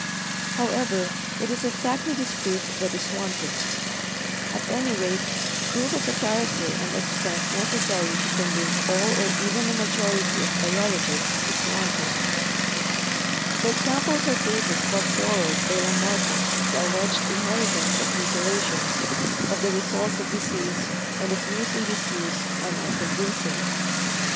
"However, it is exactly this proof that is wanting. At any rate, proof of the character and extent necessary to convince all or even a majority of biologists is wanting. The examples or cases brought forward by Lamarckians of the alleged inheritance of mutilations, of the results of disease, and of use and disuse, are not convincing.